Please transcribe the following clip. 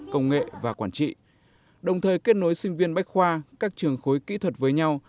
công nghệ và quản trị đồng thời kết nối sinh viên bách khoa các trường khối kỹ thuật với nhau